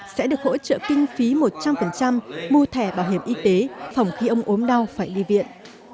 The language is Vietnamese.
sẽ được hỗ trợ kinh phí một trăm linh mua thẻ bảo hiểm y tế phòng khi ông ốm đau phải đi viện